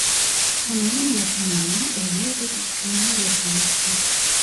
Kanalın yakınlarına evler ve dükkanlar yapılmıştır.